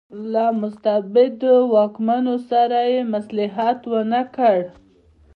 له مستبدو واکمنو سره یې مصلحت ونکړ.